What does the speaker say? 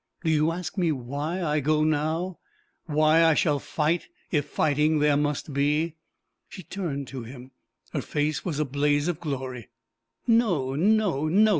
Do you ask me why I go now? Why I shall fight, if fighting there must be?" She turned to him. Her face was a blaze of glory. "No, no, no!"